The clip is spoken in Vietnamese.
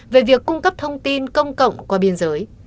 về việc cung cấp thông tin công cộng qua biên giới